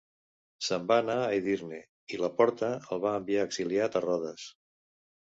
Se'n va anar a Edirne i la Porta el va enviar exiliat a Rodes.